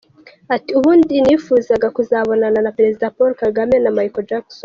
Ati “Ubundi nifuzaga kuzabonana Perezida Paul Kagame na Michael Jackson.